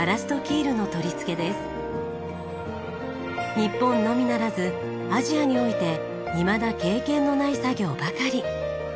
日本のみならずアジアにおいていまだ経験のない作業ばかり。